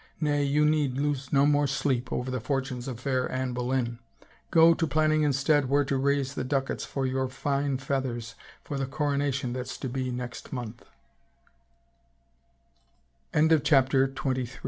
" Nay, you need loose no more sleep over the fortunes of fair Anne Boleyn. Go to planning instead where to raise the ducats for your fine feathers for the coronation that's to be nex